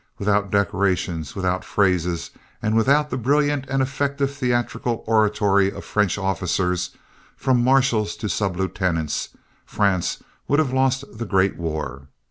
Without decorations, without phrases and without the brilliant and effective theatrical oratory of French officers, from marshals to sub lieutenants, France would have lost the great war.